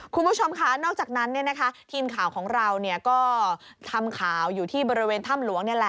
คุณผู้ชมค่ะนอกจากนั้นทีมข่าวของเราก็ทำข่าวอยู่ที่บริเวณถ้ำหลวง